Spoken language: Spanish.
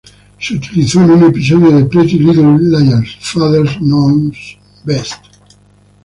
Se utilizó en un episodio de "Pretty Little Liars", "Father Knows Best".